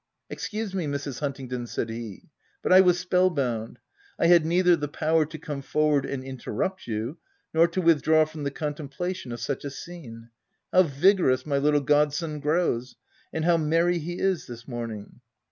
" Excuse me, Mrs. Huntingdon," said he, " but I was spell bound ; I had neither the power to come forward and interrupt you, nor to withdraw from the contemplation of such a scene. — How vigorous my little godson grows I and how merry he is this morning."